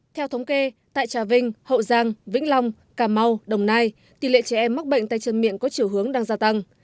theo thống kê tại trà vinh hậu giang vĩnh long cà mau đồng nai tỷ lệ trẻ em mắc bệnh tay chân miệng có chiều hướng đang gia tăng